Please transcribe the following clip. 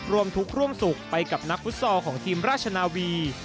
ร่วมทุกข์ร่วมสุขไปกับนักฟุตซอลของทีมราชนาวี